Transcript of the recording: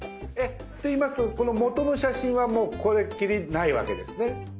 ⁉って言いますとこの元の写真はもうこれっきりないわけですね。